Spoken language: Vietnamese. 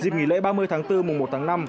dịp nghỉ lễ ba mươi tháng bốn mùng một tháng năm